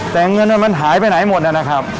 แต่เงินมันหายไปไหนหมดนะครับ